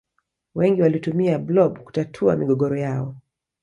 Wengi walitumia blob kutatua migogoro yao